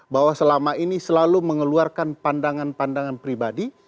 bahwa selama ini selalu mengeluarkan pandangan pandangan pribadi